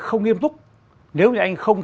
không nghiêm túc nếu như anh không